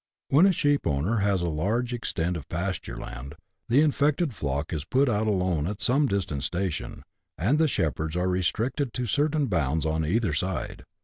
When a sheepowner has a large extent of {)asture land, the infected flock is put out alone at some distant station, and the shepherds are restricted to certain bounds on either side.